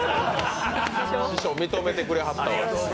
師匠、認めてくれはったわ。